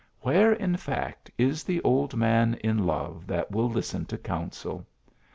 Where, in fact, is the old man in love that will listen to counsel ?